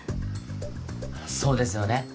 そうですよね。